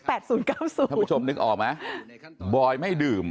ท่านผู้ชมนึกออกไหมบอยไม่ดื่ม